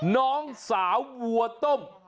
น้องสาววัวต้ม